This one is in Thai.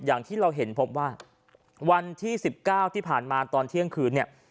อย่างที่เราเห็นพบว่าวันที่๑๙ที่ผ่านมาตอนเที่ยงคืนเนี่ย